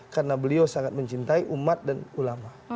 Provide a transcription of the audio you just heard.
karena beliau sangat mencintai umat dan ulama